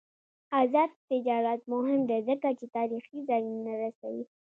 آزاد تجارت مهم دی ځکه چې تاریخي ځایونه رسوي.